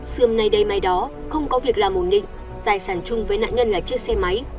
sườn nay đây mai đó không có việc làm ổn định tài sản chung với nạn nhân là chiếc xe máy